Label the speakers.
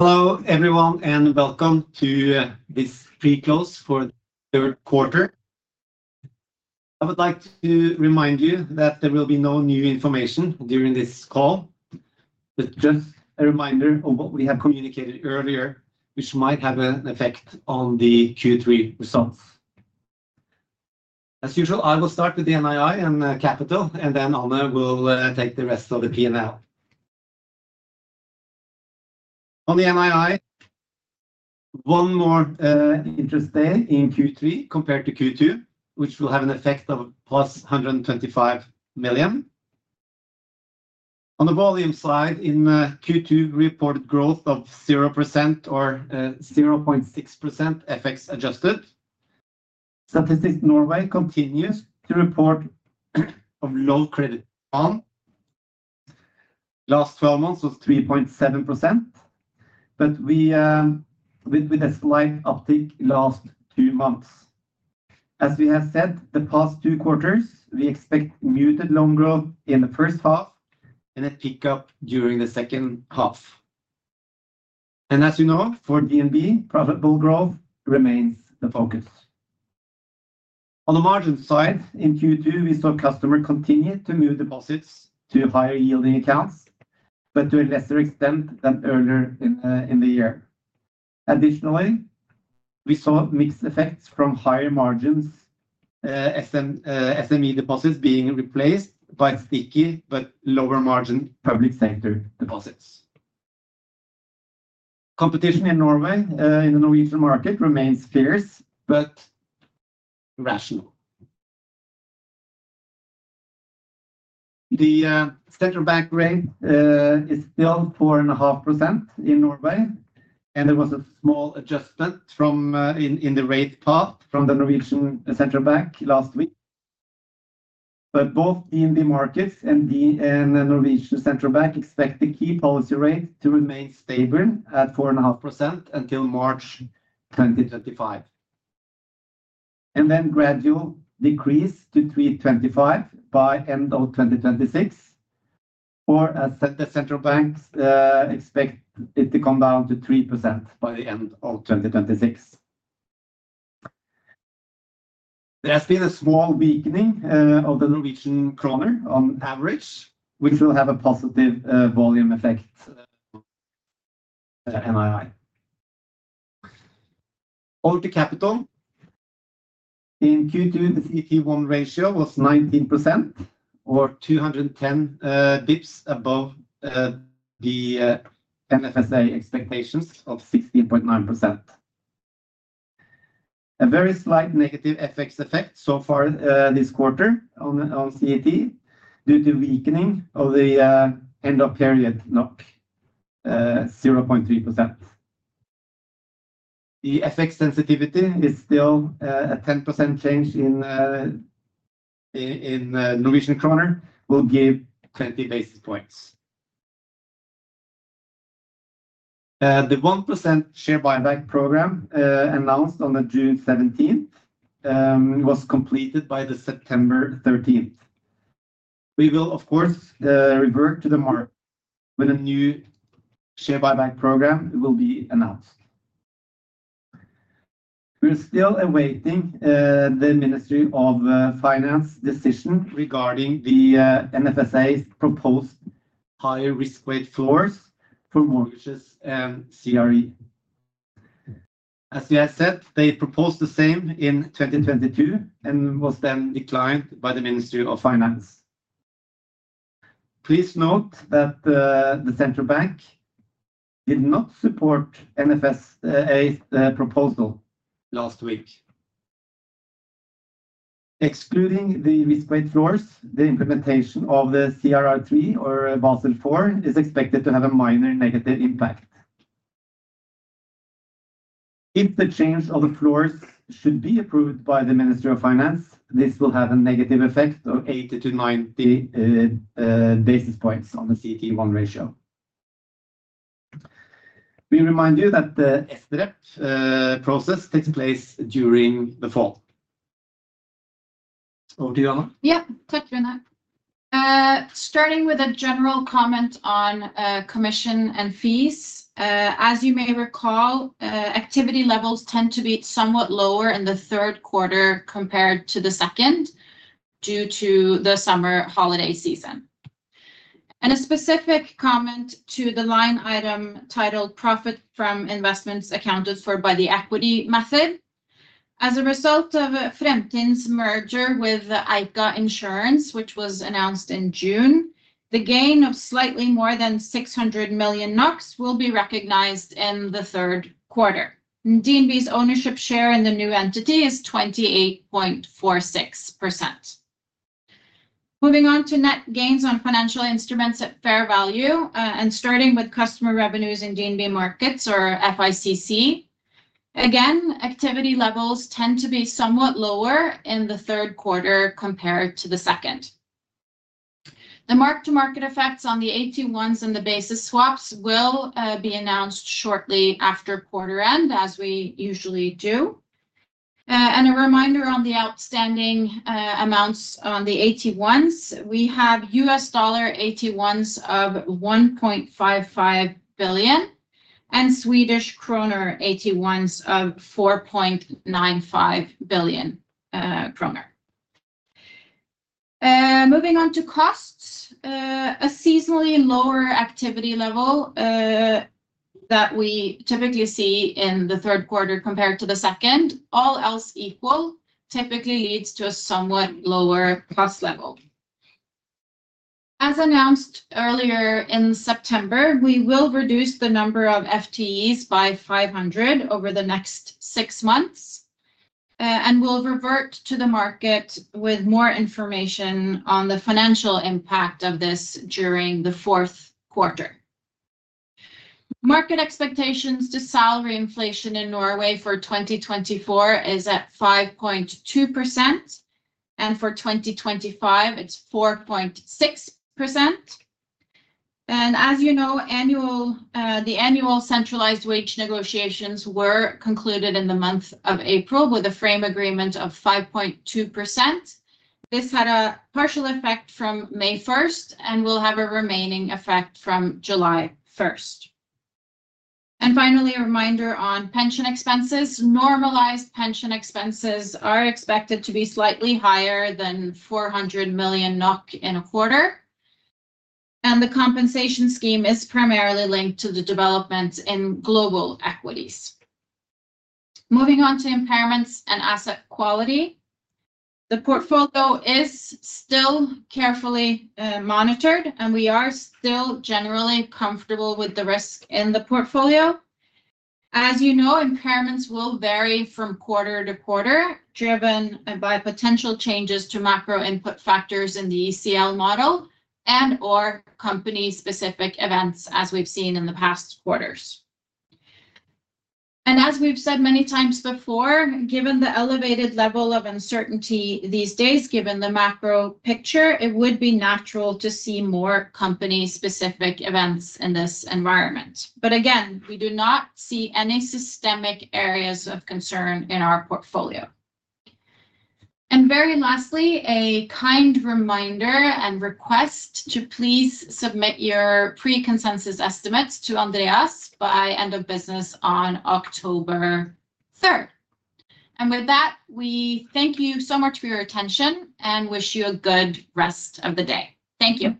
Speaker 1: Hello, everyone, and welcome to this pre-close for the third quarter. I would like to remind you that there will be no new information during this call, but just a reminder of what we have communicated earlier, which might have an effect on the Q3 results. As usual, I will start with the NII and capital, and then Anne will take the rest of the P&L. On the NII, one more interest day in Q3 compared to Q2, which will have an effect of plus 125 million. On the volume side, in Q2, we reported growth of 0% or 0.6% FX adjusted. Statistics Norway continues to report of low credit growth. Last twelve months was 3.7%, but we with a slight uptick last two months. As we have said, the past two quarters, we expect muted loan growth in the first half and a pickup during the second half. And as you know, for DNB, profitable growth remains the focus. On the margin side, in Q2, we saw customer continue to move deposits to higher yielding accounts, but to a lesser extent than earlier in the year. Additionally, we saw mixed effects from higher margins, SME deposits being replaced by sticky, but lower margin public sector deposits. Competition in Norway, in the Norwegian market remains fierce, but rational. The central bank rate is still 4.5% in Norway, and there was a small adjustment in the rate path from the Norwegian Central Bank last week. But both DNB Markets and the Norwegian Central Bank expect the key policy rate to remain stable at 4.5% until March 2025, and then gradual decrease to 3.25% by end of 2026, or as the central banks expect it to come down to 3% by the end of 2026. There has been a small weakening of the Norwegian kroner on average, which will have a positive volume effect NII. On to capital. In Q2, the CET1 ratio was 19% or 210 basis points above the NFSA expectations of 16.9%. A very slight negative FX effect so far this quarter on CET due to weakening of the end of period NOK 0.3%. The FX sensitivity is still a 10% change in Norwegian kroner will give 20 basis points. The 1% share buyback program announced on the June seventeenth was completed by the September thirteenth. We will, of course, revert to the market when a new share buyback program will be announced. We're still awaiting the Ministry of Finance decision regarding the NFSA's proposed higher risk weight floors for mortgages and CRE. As we have said, they proposed the same in 2022, and was then declined by the Ministry of Finance. Please note that the central bank did not support NFSA's proposal last week. Excluding the risk weight floors, the implementation of the CRR III or Basel IV is expected to have a minor negative impact. If the change of the floors should be approved by the Ministry of Finance, this will have a negative effect of 80-90 basis points on the CET1 ratio. We remind you that the SREP process takes place during the fall. Over to you, Anne.
Speaker 2: Yeah. Takk, Gunnar. Starting with a general comment on commission and fees. As you may recall, activity levels tend to be somewhat lower in the third quarter compared to the second, due to the summer holiday season. And a specific comment to the line item titled: Profit from investments accounted for by the equity method. As a result of Fremtind's merger with Eika Insurance, which was announced in June, the gain of slightly more than 600 million NOK will be recognized in the third quarter. DNB's ownership share in the new entity is 28.46%. Moving on to net gains on financial instruments at fair value, and starting with customer revenues in DNB Markets or FICC. Again, activity levels tend to be somewhat lower in the third quarter compared to the second. The mark-to-market effects on the AT1s and the basis swaps will be announced shortly after quarter end, as we usually do. A reminder on the outstanding amounts on the AT1s. We have US dollar AT1s of $1.55 billion, and Swedish kroner AT1s of 4.95 billion kroner. Moving on to costs. A seasonally lower activity level that we typically see in the third quarter compared to the second, all else equal, typically leads to a somewhat lower cost level. As announced earlier in September, we will reduce the number of FTEs by 500 over the next six months, and we'll revert to the market with more information on the financial impact of this during the fourth quarter. Market expectations for salary inflation in Norway for 2024 is at 5.2%, and for 2025, it's 4.6%. As you know, the annual centralized wage negotiations were concluded in the month of April, with a frame agreement of 5.2%. This had a partial effect from May first and will have a remaining effect from July first. Finally, a reminder on pension expenses. Normalized pension expenses are expected to be slightly higher than 400 million NOK in a quarter, and the compensation scheme is primarily linked to the development in global equities. Moving on to impairments and asset quality, the portfolio is still carefully monitored, and we are still generally comfortable with the risk in the portfolio. As you know, impairments will vary from quarter to quarter, driven by potential changes to macro input factors in the ECL model and/or company-specific events, as we've seen in the past quarters. And as we've said many times before, given the elevated level of uncertainty these days, given the macro picture, it would be natural to see more company-specific events in this environment. But again, we do not see any systemic areas of concern in our portfolio. And very lastly, a kind reminder and request to please submit your pre-consensus estimates to Andreas by end of business on October third. And with that, we thank you so much for your attention and wish you a good rest of the day. Thank you.